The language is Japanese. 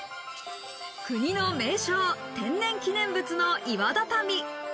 国の名勝・天然記念物の岩畳。